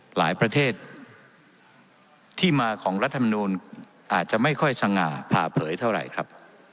ประเทศที่มาของรัฐมนูลอาจจะไม่ค่อยสง่าผ่าเผยเท่าไหร่ครับ